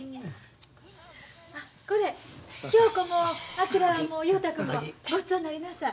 これ恭子も昭も雄太君もごちそうになりなさい。